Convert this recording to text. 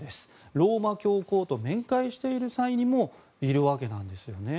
ローマ教皇と面会している際にもいるわけなんですよね。